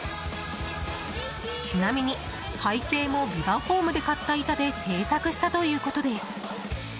ちなみに、背景もビバホームで買った板で制作したということです。